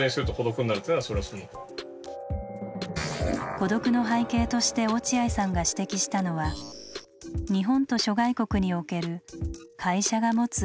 「孤独」の背景として落合さんが指摘したのは日本と諸外国における「会社」が持つ意味の違い。